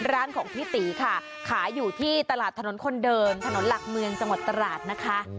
ร้านของพี่ตีค่ะขายอยู่ที่ตลาดถนนคนเดินถนนหลักเมืองจังหวัดตราดนะคะ